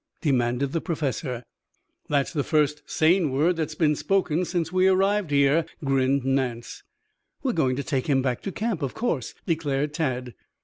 demanded the Professor. "That's the first sane word that's been spoken since we arrived here," grinned Nance. "We are going to take him back to camp, of course," declared Tad.